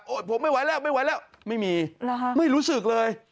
ผมไม่ไหวแล้วไม่ไหวแล้วไม่มีไม่รู้สึกเลย